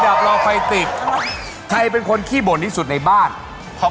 โชคความแม่นแทนนุ่มในศึกที่๒กันแล้วล่ะครับ